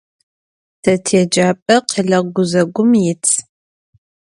Te tiêcap'e khele guzegum yit.